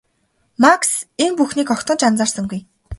Макс энэ бүхнийг огтхон ч анхаарсангүй.